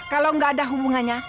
kalau gak ada hubungannya